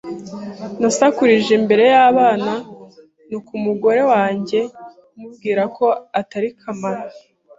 Nasakurije imbere y’abana, ntuka umugore wanjye, mubwira ko atari kamara